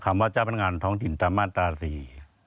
ว่าเจ้าพนักงานท้องถิ่นตามมาตราสี่